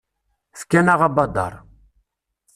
Fkan-aɣ abadaṛ.